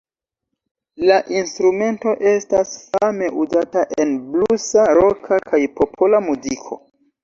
La instrumento estas fame uzata en blusa, roka, kaj popola muziko.